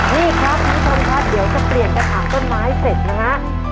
นี่ครับนี่คนคะเดี๋ยวก็เปลี่ยนกระถางต้นไม้เสร็จนะฮะ